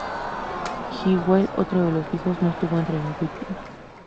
Hywel, otro de los hijos no estuvo entre las víctimas.